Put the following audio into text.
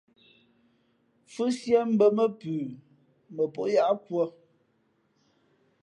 Mfhʉ́síé mbᾱ mά pʉ mα pó yáʼ kūᾱ.